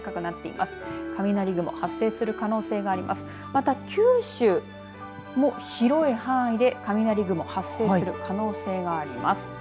また九州も広い範囲で雷雲発生する可能性があります。